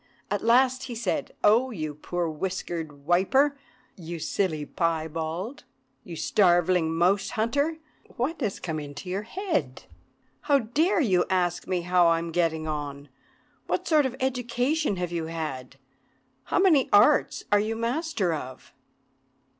At last he said: "Oh, you poor whisker wiper, you silly piebald, you starveling mouse hunter! what has come into your head? How dare you ask me how I am getting on? What sort of education have you had? How many arts are you master of?"